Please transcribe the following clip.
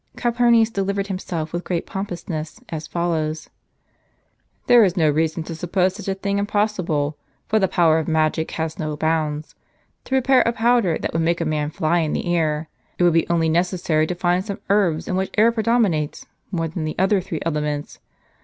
Calpurnius delivered himself, with great pompousness, as follows : "There is no reason to suppose such a thing impossible; for the power of magic has no bounds. To prepare a powder that would make a man fly in the air, it would be only neces sary to find some herbs in which air predominates more than the other three elements.